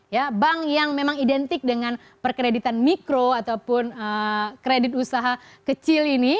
ya bank yang memang identik dengan perkreditan mikro ataupun kredit usaha kecil ini